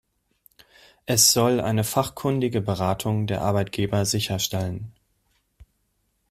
Es soll eine fachkundige Beratung der Arbeitgeber sicherstellen.